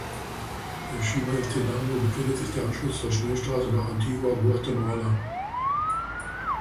Bei Chimaltenango befindet sich der Anschluss zur Schnellstraße nach Antigua Guatemala.